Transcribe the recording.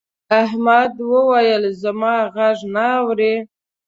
احمد وويل: زما غږ نه اوري.